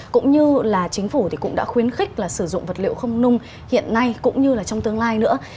cũng như là chính phủ thì cũng đã khuyến khích là sử dụng vật liệu không nung hiện nay cũng như là trong tương lai nữa